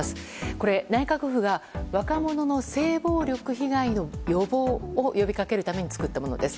これは内閣府が若者の性暴力被害の予防を呼びかけるために作ったものです。